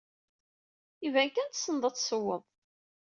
Iban kan tessned ad tessewwed.